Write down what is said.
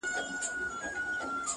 زاهده دغه تا نه غوښتله خدای غوښتله!!